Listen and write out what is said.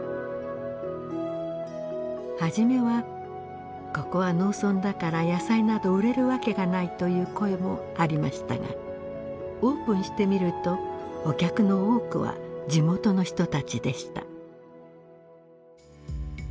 初めは「ここは農村だから野菜など売れるわけがない」という声もありましたがオープンしてみるとお客の多くは地元の人たちでした。